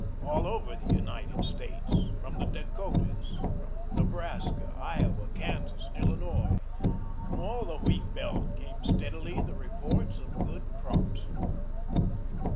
All over the United States, from the Dakotas, from Nebraska, Iowa, Kansas, and Illinois, from all the wheat belt came steadily the reports of good crops.